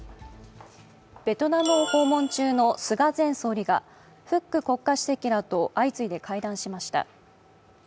ベトナムを訪問中の菅前総理がフック国家主席らと相次いで会談しました。